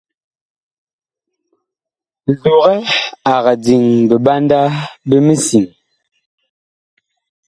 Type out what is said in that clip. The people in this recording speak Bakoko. Nzogɛ ag diŋ biɓanda bi misiŋ́.